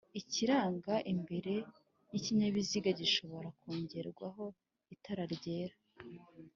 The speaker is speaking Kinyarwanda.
Ikiranga imbere h'ikinyabiziga gishobora kongerwaho itara ryera